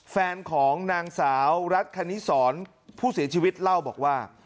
แฟนของนางสาวรัฐคณิสรผู้เสียชีวิตเล่าบอกว่า